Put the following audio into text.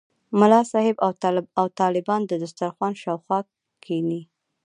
ملا صاحب او طالبان د دسترخوان شاوخوا کېني.